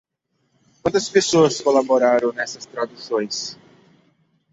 Quantas pessoas colaboraram nessas traduções?